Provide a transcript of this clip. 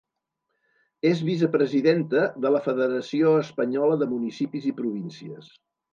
És vicepresidenta de la Federació Espanyola de Municipis i Províncies.